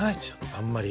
あんまり。